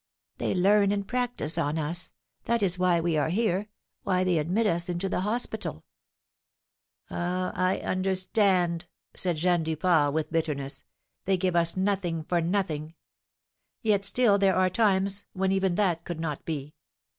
"They learn and practise on us; that is why we are here, why they admit us into the hospital." "Ah, I understand," said Jeanne Duport, with bitterness; "they give us nothing for nothing. Yet still there are times when even that could not be.